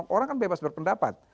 orang kan bebas berpendapat